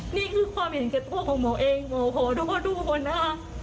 นี่คือความเห็นแก่ตัวของหมอเองหมอขอโทษทุกคนนะคะ